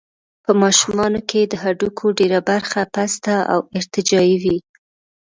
په ماشومانو کې د هډوکو ډېره برخه پسته او ارتجاعي وي.